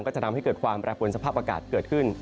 จะทำให้เกิดความแปรปวนสภาพอากาศเกิดขึ้น